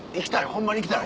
ホンマに行きたい？